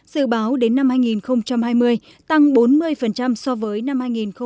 dự báo đến năm hai nghìn hai mươi tăng bốn mươi so với năm hai nghìn một mươi chín